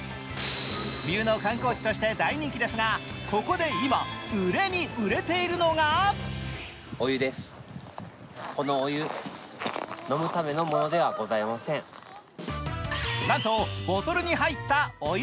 冬の観光地として大人気ですがここで今、売れに売れているのがなんと、ボトルに入ったお湯。